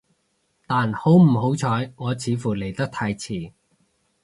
但好唔好彩，我似乎嚟得太遲